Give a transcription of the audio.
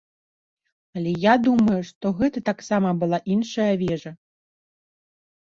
Але я думаю, што гэта таксама была іншая вежа.